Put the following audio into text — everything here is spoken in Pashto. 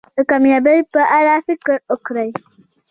د کامیابی په اړه فکر وکړی.